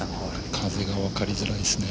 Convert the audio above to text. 風が分かりづらいですね。